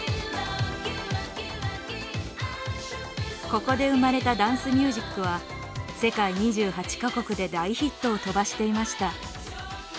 ここで生まれたダンスミュージックは世界２８か国で大ヒットを飛ばしていました。